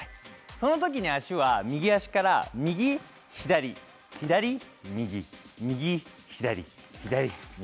その時、足は右足から右左、左右、右左、左右。